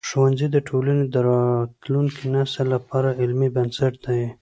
ښوونځی د ټولنې د راتلونکي نسل لپاره علمي بنسټ دی.